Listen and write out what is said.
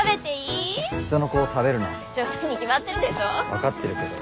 分かってるけど。